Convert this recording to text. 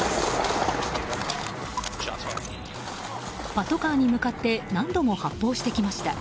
パトカーに向かって何度も発砲してきました。